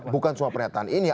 bukan cuma pernyataan ini